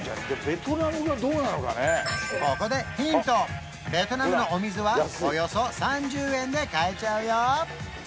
ベトナムのお水はおよそ３０円で買えちゃうよ